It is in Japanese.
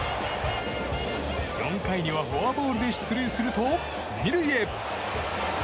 ４回にはフォアボールで出塁すると２塁へ。